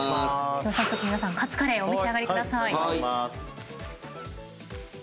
早速皆さんカツカレーをお召し上がりください。